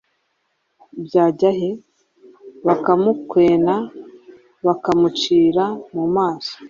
bwajya hehe?? Bakamukwena , bakamucira mu maso .